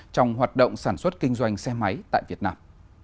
trong hoạt động sản xuất kinh doanh xe máy tại việt nam